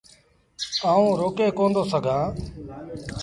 آئوٚݩ روڪي ڪوندو سگھآݩ۔